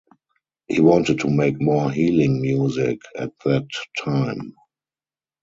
He wanted to make more healing music at that time.